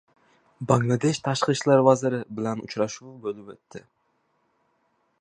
Bangladesh tashqi ishlar vaziri bilan uchrashuv bo‘lib o‘tdi